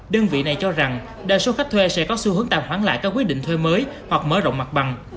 đơn vị này cho rằng đa số khách thuê sẽ có xu hướng tài khoản lại các quyết định thuê mới hoặc mở rộng mặt bằng